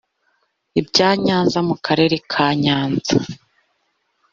ibya Nyanza mu Karere ka Nyanza